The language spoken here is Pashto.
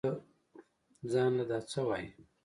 زان له دا سه وايې.